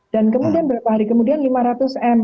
dan kemudian berapa hari kemudian lima ratus m